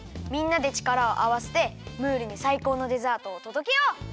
みんなでちからをあわせてムールにさいこうのデザートをとどけよう！